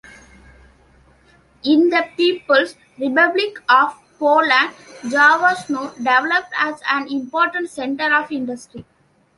In the People's Republic of Poland Jaworzno developed as an important center of industry.